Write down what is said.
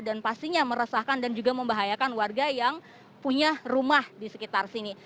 dan pastinya meresahkan dan juga membahayakan warga yang punya rumah di sekitar sini